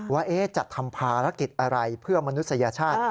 ว่าจะทำภารกิจอะไรเพื่อมนุษยชาติ